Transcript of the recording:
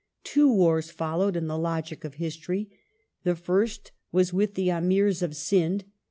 Two wai*s followed in the logic of history. The first ^^^ was with the Amirs of Sind.